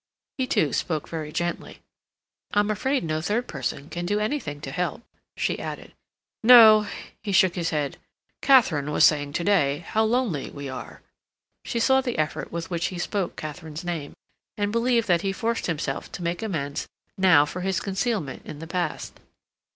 He, too, spoke very gently. "I'm afraid no third person can do anything to help," she added. "No," he shook his head. "Katharine was saying to day how lonely we are." She saw the effort with which he spoke Katharine's name, and believed that he forced himself to make amends now for his concealment in the past.